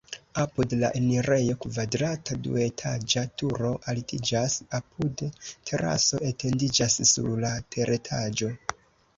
Apud la enirejo kvadrata duetaĝa turo altiĝas, apude teraso etendiĝas sur la teretaĝo.